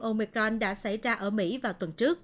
omicron đã xảy ra ở mỹ vào tuần trước